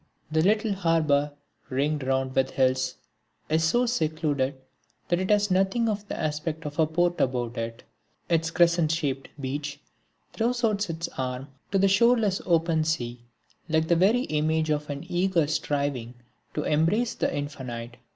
The little harbour, ringed round with hills, is so secluded that it has nothing of the aspect of a port about it. Its crescent shaped beach throws out its arms to the shoreless open sea like the very image of an eager striving to embrace the infinite.